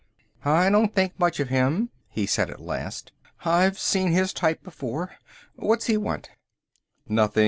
"I don't think much of him," he said at last. "I've seen his type before. What's he want?" "Nothing.